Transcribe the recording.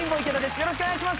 よろしくお願いします！